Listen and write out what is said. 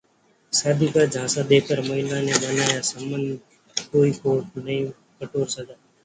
शादी का झांसा देकर महिला से बनाया संबंध, कोर्ट से मिली कठोर सजा